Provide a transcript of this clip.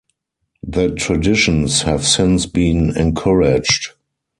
The traditions have since been encouraged.